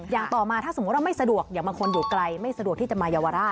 อย่างต่อมาถ้าสมมุติว่าไม่สะดวกอย่างบางคนอยู่ไกลไม่สะดวกที่จะมาเยาวราช